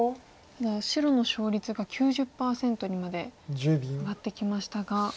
ただ白の勝率が９０％にまで上がってきましたが。